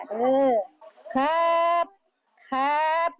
และขอบคุณครับ